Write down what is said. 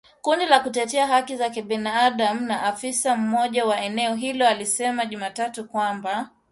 Kundi la kutetea haki za binadamu na afisa mmoja wa eneo hilo alisema Jumatatu kwamba.